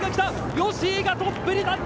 吉居がトップに立った。